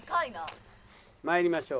まいりましょう。